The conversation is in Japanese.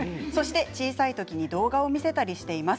小さい時に動画を見せたりしています。